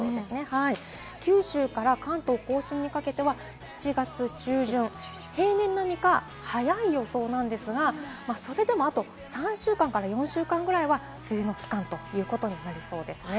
九州から関東甲信にかけては７月中旬、平年並みか早い予想なんですが、それでも、あと３週間から４週間ぐらいは梅雨の期間となりそうです。